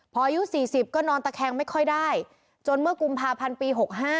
พออายุ๔๐ก็นอนตะแคงไม่ค่อยได้จนเมื่อกุมภาพันธ์ปี๖๕